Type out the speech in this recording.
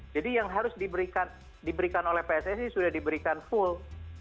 jadi yang harus diberikan oleh pssi sudah diberikan full